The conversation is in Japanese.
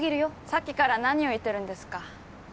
さっきから何を言ってるんですか？